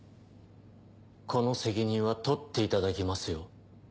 この責任は取っていただきますよ。